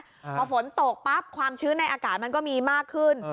พอฝนตกปั๊บความชื้นในอากาศมันก็มีมากขึ้น